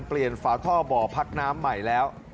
เปลี่ยนฝาท่อเบาะพักน้ำใหม่แล้ว